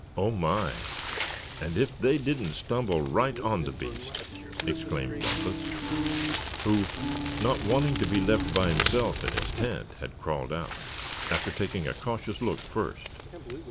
"Oh! my, and if they didn't stumble right on the beast!" exclaimed Bumpus, who, not wanting to be left by himself in the tent, had crawled out, after taking a cautious look first.